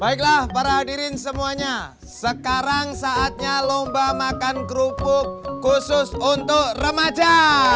baiklah para hadirin semuanya sekarang saatnya lomba makan kerupuk khusus untuk remaja